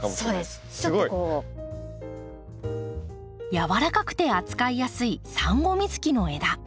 やわらかくて扱いやすいサンゴミズキの枝。